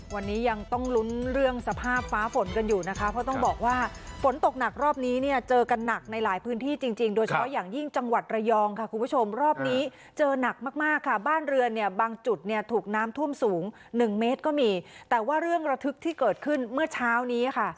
วันนี้ยังต้องลุ้นเรื่องสภาพฟ้าฝนกันอยู่นะคะเพราะต้องบอกว่าฝนตกหนักรอบนี้เนี่ยเจอกันหนักในหลายพื้นที่จริงโดยเฉพาะอย่างยิ่งจังหวัดระยองค่ะคุณผู้ชมรอบนี้เจอหนักมากค่ะบ้านเรือนเนี่ยบางจุดเนี่ยถูกน้ำท่วมสูงหนึ่งเมตรก็มีแต่ว่าเรื่องระทึกที่เกิดขึ้นเมื่อเช้านี้ค่ะ